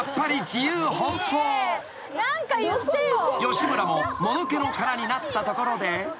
［吉村ももぬけの殻になったところで］